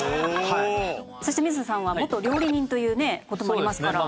水田さんは元料理人という事もありますから。